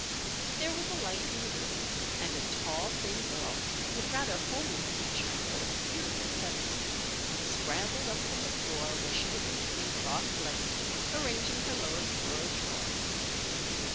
There was a light in the room and a tall, thin girl, with rather homely features but a beautiful set of teeth, scrambled up from the floor where she had been sitting cross legged, arranging her lower bureau drawer.